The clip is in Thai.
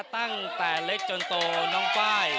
ตั้งแต่เล็กจนโตน้องไฟล์